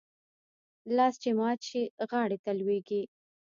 لاس چې مات شي ، غاړي ته لوېږي .